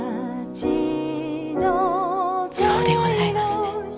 そうでございますね。